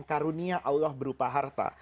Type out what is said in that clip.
karunia allah berupa harta